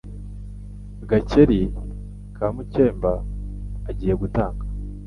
Gakeli ka Mukemba agiye gutanga,